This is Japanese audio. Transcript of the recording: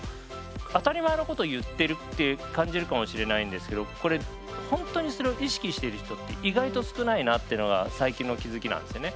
当たり前のこと言ってるって感じるかもしれないんですけどこれほんとにそれを意識してる人って意外と少ないなっていうのが最近の気付きなんですよね。